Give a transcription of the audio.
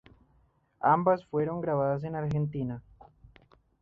Ambas fueron grabadas en Argentina.